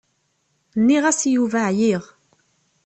Nniɣ-as i Yuba εyiɣ.